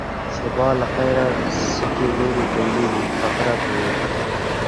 سبا له خیره سکی لوبې کیږي. هغه راته وویل.